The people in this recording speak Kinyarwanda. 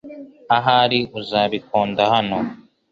Ahari uzabikunda hano .